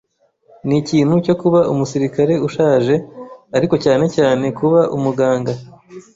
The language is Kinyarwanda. Nikintu cyo kuba umusirikare ushaje, ariko cyane cyane kuba umuganga.